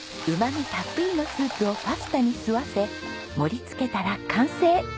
うまみたっぷりのスープをパスタに吸わせ盛りつけたら完成！